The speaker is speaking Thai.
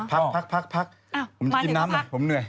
เออนั่นหรอพักผมจากนี้จะกินน้ำเหละผมเหนื่อย